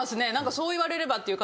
そう言われればという感じで。